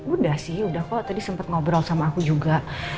udah sih udah kok tadi sempat ngobrol sama aku juga